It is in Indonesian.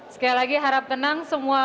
sekali lagi harap tenang semua